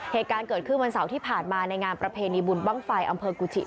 เหตุการณ์เกิดขึ้นวันเสาร์ที่ผ่านมาในงานประเพณีบุญบ้างไฟอำเภอกุชิ